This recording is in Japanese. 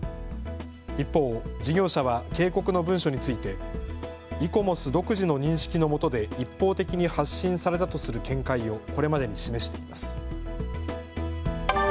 一方、事業者は警告の文書についてイコモス独自の認識のもとで一方的に発信されたとする見解をこれまでに示しています。